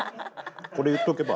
これ言っとけば。